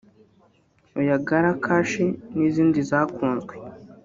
Oyagala Cash n’izindi zakunzwe